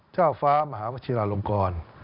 เจ้าฟ้ามหาวชิลาลงกร